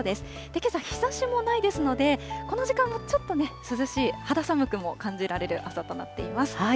けさ、日ざしもないですので、この時間もちょっとね、涼しい、肌寒くも感じられる朝となっています。